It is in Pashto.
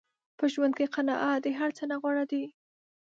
په ژوند کې قناعت د هر څه نه غوره دی.